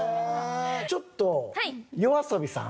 ちょっとＹＯＡＳＯＢＩさん